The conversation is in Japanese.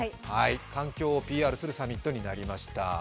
環境をＰＲするサミットになりました。